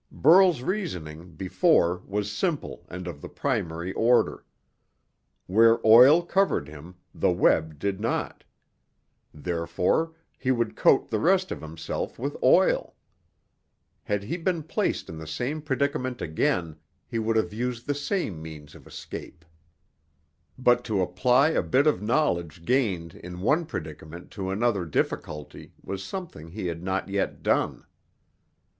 Burl's reasoning, before, was simple and of the primary order. Where oil covered him, the web did not. Therefore he would coat the rest of himself with oil. Had he been placed in the same predicament again, he would have used the same means of escape. But to apply a bit of knowledge gained in one predicament to another difficulty was something he had not yet done.